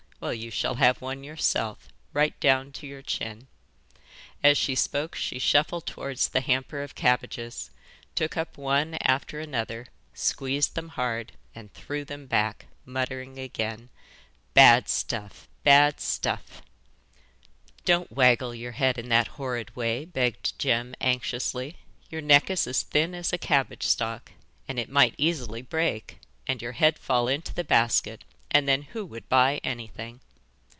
Well, you shall have one yourself, right down to your chin.' As she spoke she shuffled towards the hamper of cabbages, took up one after another, squeezed them hard, and threw them back, muttering again, 'Bad stuff, bad stuff.' 'Don't waggle your head in that horrid way,' begged Jem anxiously. 'Your neck is as thin as a cabbage stalk, and it might easily break and your head fall into the basket, and then who would buy anything?